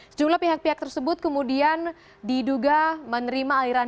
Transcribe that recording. sejumlah pihak pihak tersebut kemudian diduga menerima aliran